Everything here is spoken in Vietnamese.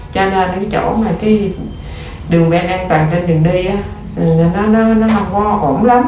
cho nên cái chỗ mà cái đường ven an toàn trên đường đi á nó không có ổn lắm